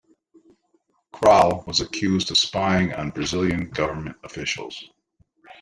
Kroll was accused of spying on Brazilian government officials.